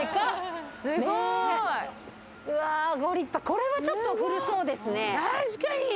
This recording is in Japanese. これは、ちょっと古そうですね。